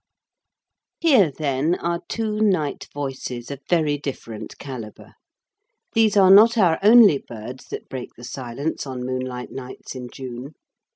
Here, then, are two night voices of very different calibre. These are not our only birds that break the silence on moonlight nights in June.